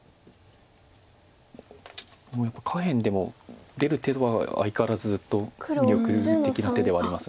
やっぱり下辺でも出る手は相変わらずずっと魅力的な手ではあります。